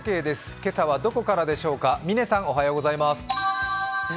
今朝はどこからでしょうか？